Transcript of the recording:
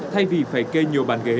thay vì phải kê nhiều bàn ghế